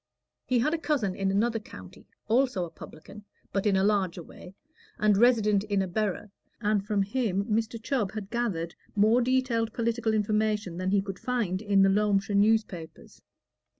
He had a cousin in another county, also a publican, but in a larger way, and resident in a borough, and from him Mr. Chubb had gathered more detailed political information than he could find in the Loamshire newspapers.